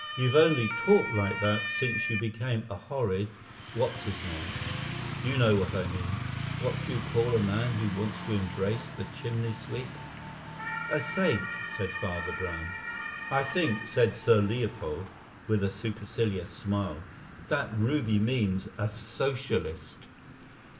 "You've only talked like that since you became a horrid what's his name. You know what I mean. What do you call a man who wants to embrace the chimney sweep?" "A saint," said Father Brown. "I think," said Sir Leopold, with a supercilious smile, "that Ruby means a Socialist."